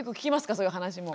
そういう話も。